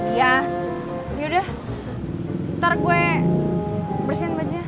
iya yaudah ntar gue bersihin baju